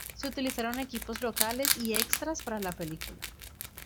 Se utilizaron equipos locales y extras para la película.